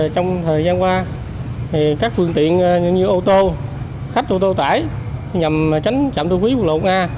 trong thời gian qua các phương tiện như ô tô khách ô tô tải nhằm tránh chạm thu phí quốc lộ nga